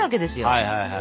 はいはいはい。